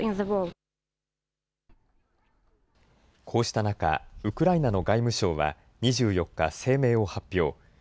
こうした中、ウクライナの外務省は２４日、声明を発表。